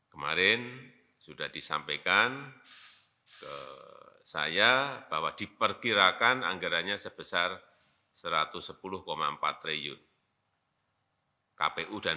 kemarin sudah disampaikan ke saya bahwa diperkirakan anggarannya sebesar rp satu ratus sepuluh empat triliun kpu dan